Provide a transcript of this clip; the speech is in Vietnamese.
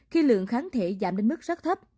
khi lượng kháng thể giảm đến mức rất thấp